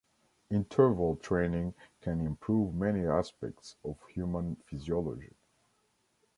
Interval training can improve many aspects of human physiology.